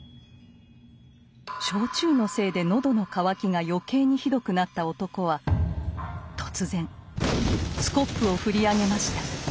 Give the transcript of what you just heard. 焼酎のせいで喉の渇きが余計にひどくなった男は突然スコップを振り上げました。